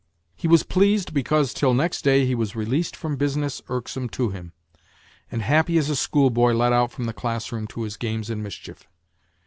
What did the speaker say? He was pleased because till next day he was released from business irksome to him, and happy as a schoolboy let out from the class room to his games and mischief.